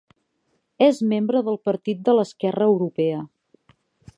És membre del Partit de l'Esquerra Europea.